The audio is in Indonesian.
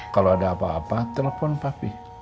kalau ada apa apa telepon tapi